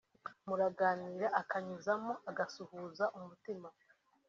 muraganira akanyuzamo agasuhuza umutima